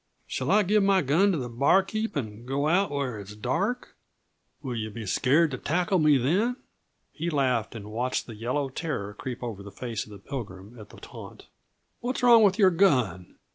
Shall I give my gun to the bar keep and go out where it's dark? Will yuh be scared to tackle me then?" He laughed and watched the yellow terror creep over the face of the Pilgrim at the taunt. "What's wrong with your gun?